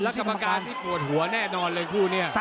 แล้วกรรมการที่ปวดหัวแน่นอนเลยคู่นี้